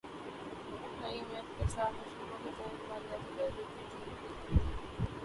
ائی M F نے اسلامی اصولوں کے تحت مالیاتی جائزے کی منظوری دے دی